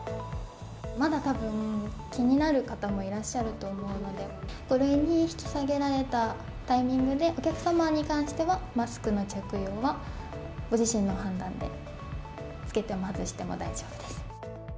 まだたぶん、気になる方もいらっしゃると思うので、５類に引き下げられたタイミングで、お客様に関してはマスクの着用は、ご自身の判断で、着けても外しても大丈夫です。